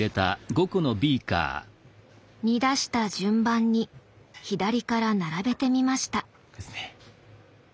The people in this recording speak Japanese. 煮出した順番に左から並べてみました。